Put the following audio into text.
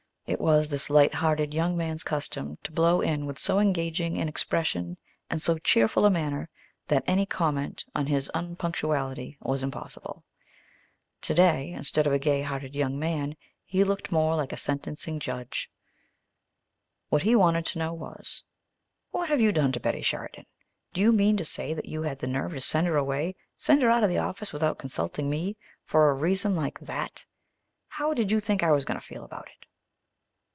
It was this light hearted young man's custom to blow in with so engaging an expression and so cheerful a manner that any comment on his unpunctuality was impossible. Today, instead of a gay hearted young man, he looked more like a sentencing judge. What he wanted to know was, "What have you done to Betty Sheridan? Do you mean to say that you had the nerve to send her away, send her out of my office without consulting me and for a reason like that? How did you think I was going to feel about it?"